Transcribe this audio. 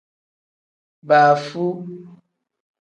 Baafu.